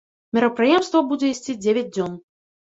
Мерапрыемства будзе ісці дзевяць дзён.